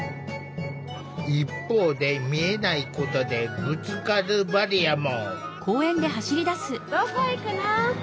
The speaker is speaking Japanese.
一方で見えないことでぶつかるバリアも。